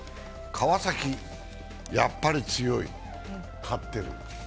川崎、やっぱり強い、勝ってる。